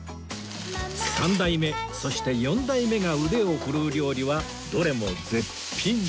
３代目そして４代目が腕を振るう料理はどれも絶品